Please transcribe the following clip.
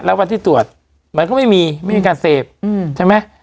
แล้ววันที่ตรวจมันก็ไม่มีไม่มีการเสพใช่ไหม